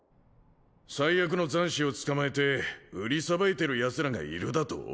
災厄の残滓を捕まえて売りさばいてるヤツらがいるだと？